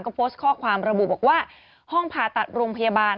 ก็โพสต์ข้อความระบุบอกว่าห้องผ่าตัดโรงพยาบาล